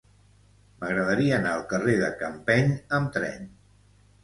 M'agradaria anar al carrer de Campeny amb tren.